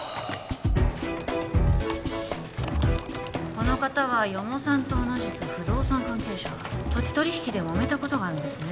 この方は四方さんと同じく不動産関係者土地取引でもめたことがあるんですね